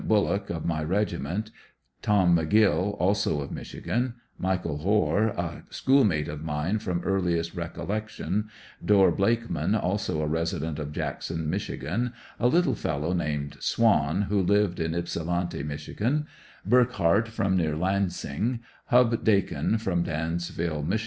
Bullock, of my regiment; Tom McGill, also of Michigan; Michael Hoare, a schoolmate of mine from earliest recollection, Dorr Blakemau, also a resident of Jackson, Michigan, a little fellow named Swan, who lived in Ypsylanti, Mich ; Burckhardt from near Lansing; Hub Dakin, from Dansville, Mich.